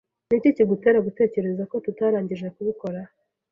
Niki kigutera gutekereza ko tutarangije kubikora?